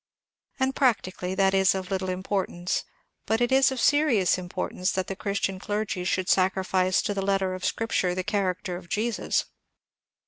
And practically that is of little im portance, but it is of serious importance that the Christian clergy should sacrifice to the letter of scripture the character of Jesus.